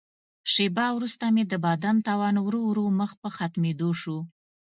شیبه وروسته مې د بدن توان ورو ورو مخ په ختمېدو شو.